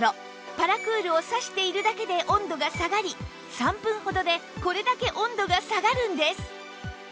パラクールを差しているだけで温度が下がり３分ほどでこれだけ温度が下がるんです